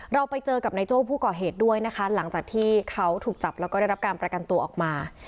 เราไปเจอกับนายโจ้ผู้ก่อเหตุด้วยนะคะหลังจากที่เขาถูกจับแล้วก็ได้รับการประกันตัวออกมา